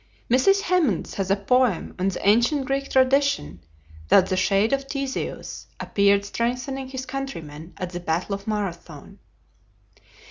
Mrs. Hemans has a poem on the ancient Greek tradition that the "Shade of Theseus" appeared strengthening his countrymen at the battle of Marathon.